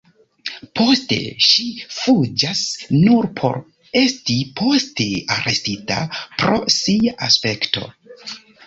Poste ŝi fuĝas, nur por esti poste arestita pro sia aspekto.